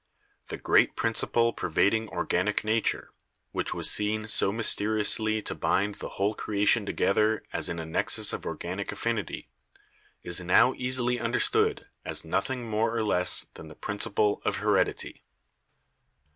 The great principle pervad ing organic nature, which was seen so mysteriously to bind the whole creation together as in a nexus of organic affin ity, is now easily understood as nothing more or less than the principle of Heredity."